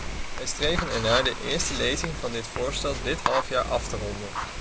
Wij streven ernaar de eerste lezing van het voorstel dit halfjaar af te ronden.